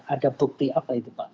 ada bukti apa itu pak